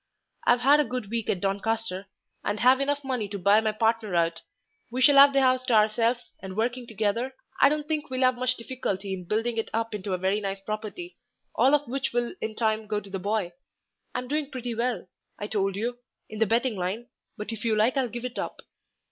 I've had a good week at Doncaster, and have enough money to buy my partner out; we shall 'ave the 'ouse to ourselves, and, working together, I don't think we'll 'ave much difficulty in building it up into a very nice property, all of which will in time go to the boy. I'm doing pretty well, I told you, in the betting line, but if you like I'll give it up.